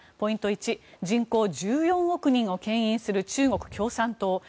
ポイント１人口１４億人をけん引する中国共産党。